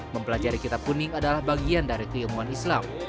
mempelajari kitab kuning adalah bagian dari keilmuan islam